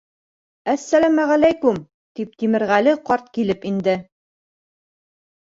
— Әссәләмәғәләйкүм! — тип Тимерғәле ҡарт килеп инде.